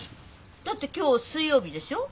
だって今日水曜日でしょ？